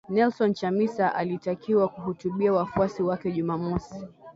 Nelson Chamisa alitakiwa kuhutubia wafuasi wake Jumamosi